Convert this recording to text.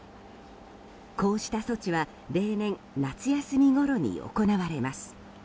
こうした措置は例年、夏休みごろに行われます。